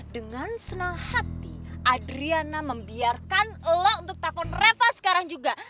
dengan senang hati adriana membiarkan lelah untuk telpon reva sekarang juga